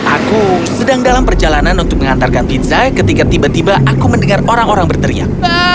aku sedang dalam perjalanan untuk mengantarkan pizza ketika tiba tiba aku mendengar orang orang berteriak